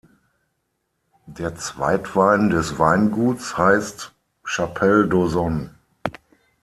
Der Zweitwein des Weinguts heißt "Chapelle d’Ausone".